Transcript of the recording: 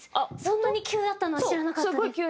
そんなに急だったのは知らなかったです。